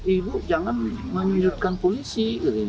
ibu jangan menyebutkan polisi